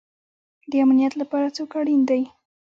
د امنیت لپاره څوک اړین دی؟